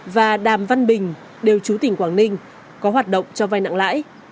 và đàm văn bình đều trú tỉnh quảng ninh có hoạt động cho vay nặng lãi